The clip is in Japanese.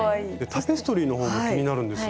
タペストリーの方も気になるんですが。